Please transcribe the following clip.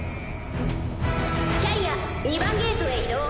キャリア２番ゲートへ移動。